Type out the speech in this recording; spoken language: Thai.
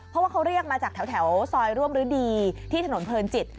เพราะว่าเขาเรียกมาจากแถวซอยร่วมฤดีที่ถนนเพลินจิต